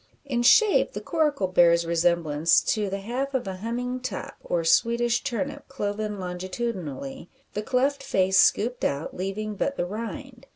In shape the coracle bears resemblance to the half of a humming top, or Swedish turnip cloven longitudinally, the cleft face scooped out leaving but the rind.